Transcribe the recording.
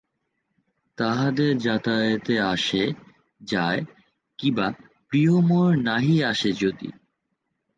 তাহাদের যাতায়াতে আসে যায় কিবা প্রিয় মোর নাহি আসে যদি।